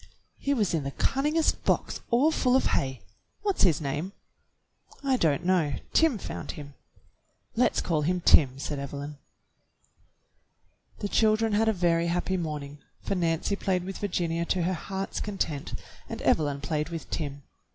He was in the cunningest box all full of hay. "What's his name.^" "I don't know. Tim found him." "Let's call him Tim," said Evelyn. The children had a very happy morning, for Nancy played with Virginia to her heart's content, and Evelyn played with Tim.